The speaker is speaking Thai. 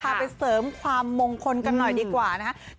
ไปเสริมความมงคลกันหน่อยดีกว่านะครับ